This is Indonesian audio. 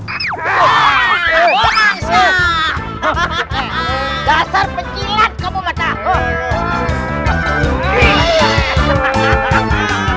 ayo amin kita gebukin aja di belakang